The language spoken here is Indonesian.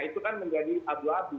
itu kan menjadi abu abu